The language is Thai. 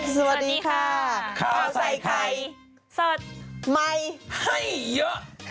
สวัสดีค่ะข้าวใส่ไข่สดใหม่ให้เยอะ